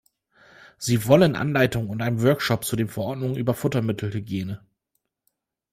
Sie wollen Anleitung und einen Workshop zu den Verordnungen über Futtermittelhygiene.